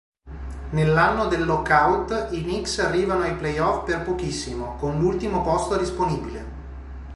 Nell'anno del lockout i Knicks arrivano ai play-off per pochissimo, con l'ultimo posto disponibile.